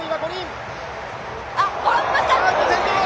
あ、転びました！